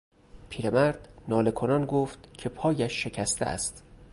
پیرمرد ناله کنان گفت که پایش شکسته است.